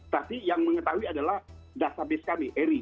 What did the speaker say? tapi yang mengetahui adalah database kami eri